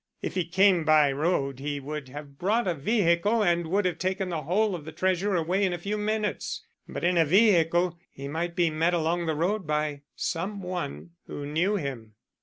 If he came by road he would have brought a vehicle and would have taken the whole of the treasure away in a few minutes. But in a vehicle he might be met along the road by some one who knew him."